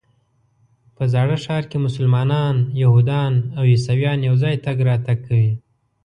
په زاړه ښار کې مسلمانان، یهودان او عیسویان یو ځای تګ راتګ کوي.